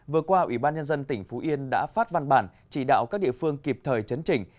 vừa qua ủy ban nhân dân tỉnh phú yên đã phát văn bản chỉ đạo các địa phương kịp thời chấn chỉnh